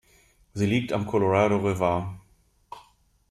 Sie liegt am Colorado River.